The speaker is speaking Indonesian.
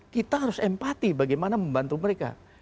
kita harus empati bagaimana membantu mereka